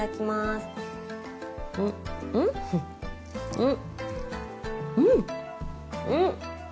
うん。